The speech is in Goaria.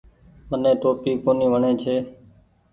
مني ٽوپي ڪونيٚ وڻي ڇي۔